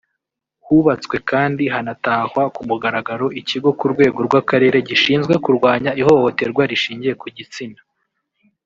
Hubatswe kandi hanatahwa ku mugaragaro Ikigo ku rwego rw’akarere gishinzwe kurwanya ihohoterwa rishingiye ku gitsina